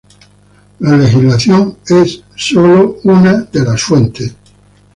Legislación forma sólo uno de un número de fuentes.